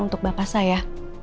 untuk bapak saya